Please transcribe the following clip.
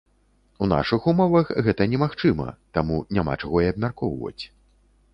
У нашых умовах гэта немагчыма, таму няма чаго і абмяркоўваць.